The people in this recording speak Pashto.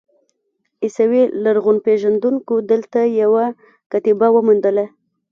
عیسوي لرغونپېژندونکو دلته یوه کتیبه وموندله.